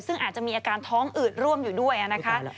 ซึ่งอาจจะมีอาการท้องอืดร่วมอยู่ด้วยนะคะ